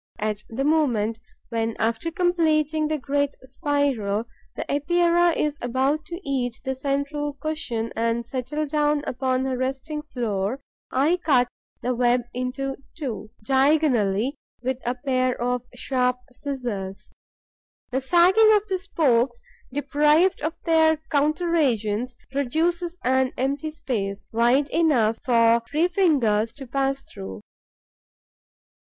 At the moment when, after completing the great spiral, the Epeira is about to eat the central cushion and settle down upon her resting floor, I cut the web in two, diagonally, with a pair of sharp scissors. The sagging of the spokes, deprived of their counter agents, produces an empty space, wide enough for three fingers to pass through.